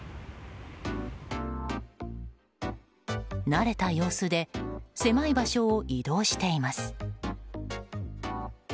慣れた様子で狭い場所を移動しています。